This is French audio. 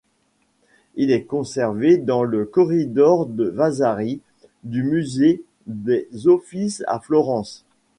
Il est conservé dans le Corridor de Vasari du Musée des Offices à Florence.